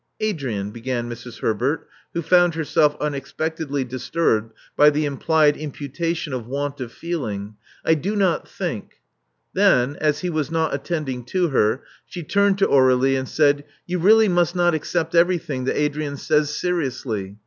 Adrian," began Mrs. Herbert, who found herself unexpectedly disturbed by the implied imputation of want of feeling: I do not think " Then, as he was not attending to her, she turned to Aurdlie and said, You really must not accept everything that Adrian says seriously.